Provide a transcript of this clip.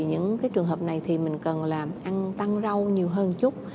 những trường hợp này thì mình cần là ăn tăng rau nhiều hơn chút